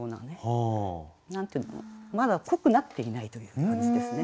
まだ濃くなっていないという感じですね。